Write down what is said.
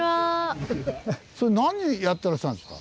それ何やってらっしゃるんですか？